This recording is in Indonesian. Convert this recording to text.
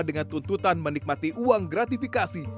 dengan tuntutan menikmati uang gratifikasi